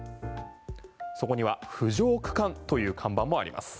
そこには浮上区間という看板もあります。